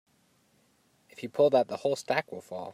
If you pull that the whole stack will fall.